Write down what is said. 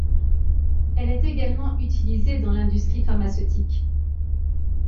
Elle est également utilisée dans l'industrie pharmaceutique.